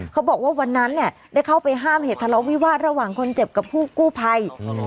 เขาบอกว่าวันนั้นเนี่ยได้เข้าไปห้ามเหตุทะเลาะวิวาสระหว่างคนเจ็บกับผู้กู้ภัย